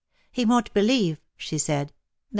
'* He won't believe," she said, '' that he ,,',♦